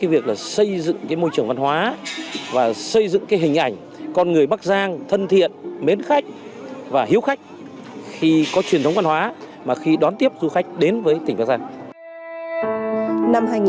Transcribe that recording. gắn với việc là xây dựng cái môi trường văn hóa và xây dựng cái hình ảnh con người bắc giang thân thiện mến khách và hữu khách khi có truyền thống văn hóa mà khi đón tiếp du khách đến với tỉnh bắc giang